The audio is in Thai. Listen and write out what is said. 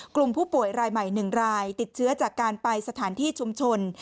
กลุ่มผู้ป่วยรายใหม่๑รายติดเชื้อจากการไปสถานที่ชุมชน